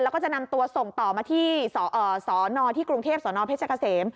แล้วก็จะนำตัวส่งต่อมาที่สนที่กรุงเทพสนเพชรเกษม